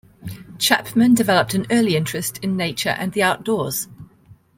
Chapman developed an early interest in nature and the outdoors.